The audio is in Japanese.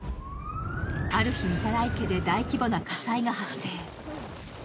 ある日、御手洗家で大規模な火災が発生。